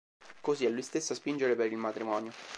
Così è lui stesso a spingere per il matrimonio.